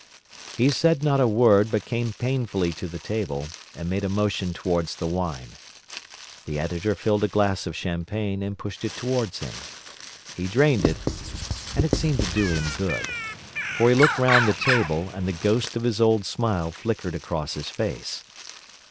He said not a word, but came painfully to the table, and made a motion towards the wine. The Editor filled a glass of champagne, and pushed it towards him. He drained it, and it seemed to do him good: for he looked round the table, and the ghost of his old smile flickered across his face.